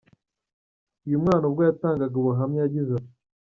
Uyu mwana ubwo yatangaga ubuhamya, yagize ati:.